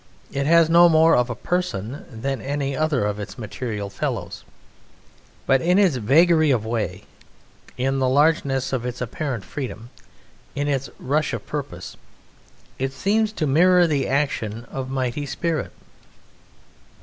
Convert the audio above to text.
It has no more a person than any other of its material fellows, but in its vagary of way, in the largeness of its apparent freedom, in its rush of purpose, it seems to mirror the action of mighty spirit.